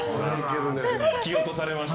突き落とされました。